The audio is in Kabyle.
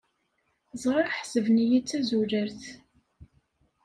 Ẓriɣ ḥesben-iyi d tazulalt.